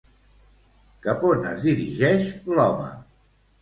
Cap on es dirigeix l'home?